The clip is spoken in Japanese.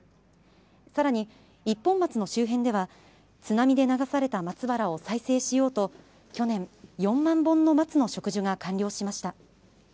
更に一本松の周辺では津波で流された松原を再生しようと去年、４万本の松の植樹が完了しました。